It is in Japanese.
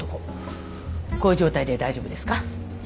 こういう状態で大丈夫ですか？